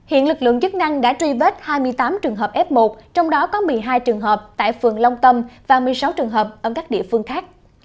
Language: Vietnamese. hiện lực lượng chức năng đã truy vết hai mươi tám trường hợp f một trong đó có một mươi hai trường hợp tại phường long tâm và một mươi sáu trường hợp ở các địa phương khác